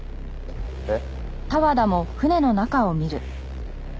えっ？